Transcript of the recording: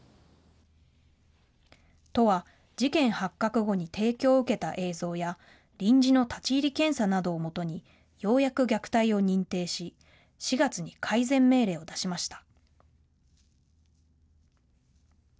都は事件発覚後に提供を受けた映像や臨時の立ち入り検査などをもとに、ようやく虐待を認定し４月に改善命令を出しました。